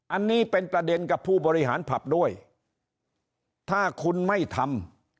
อันนี้เป็นประเด็นกับผู้บริหารผับด้วยถ้าคุณไม่ทำ